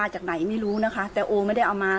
ใจร้อนนะ